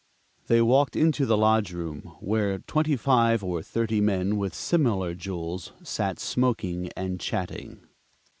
They walked into the lodge room where twenty five or thirty men with similar "jewels" sat smoking and chatting.